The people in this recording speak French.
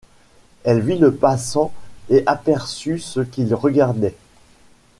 Elle vit le passant et aperçut ce qu’il regardait.